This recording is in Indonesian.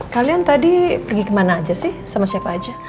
kalian tadi pergi kemana aja sih sama siapa aja